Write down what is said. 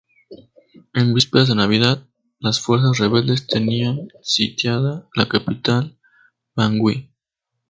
En víspera de Navidad las fuerzas rebeldes tenían sitiada la capital, Bangui.